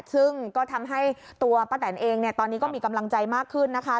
ซึ่งก็ทำให้ตัวป้าแตนเองเนี่ยตอนนี้ก็มีกำลังใจมากขึ้นนะคะ